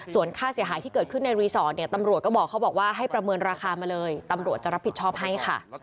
ส่วนค่าเสียหายที่เกิดขึ้นในรีสอร์ทเนี่ยตำรวจก็บอกเขาบอกว่าให้ประเมินราคามาเลยตำรวจจะรับผิดชอบให้ค่ะ